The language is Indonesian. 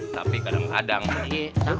tapi kadang kadang bang